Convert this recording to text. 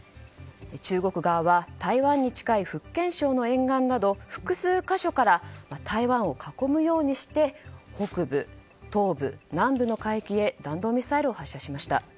中国側は台湾に近い福建省の沿岸など複数箇所から台湾を囲むようにして北部、東部、南部の海域へ弾道ミサイルを発射しました。